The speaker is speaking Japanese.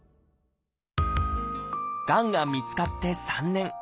がんが見つかって３年。